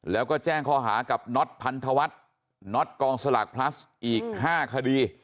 แล้วก็แจ้งข้อหากับน็อตพันธวัฒน์น็อตกองสลากพลัสอีก๕คดี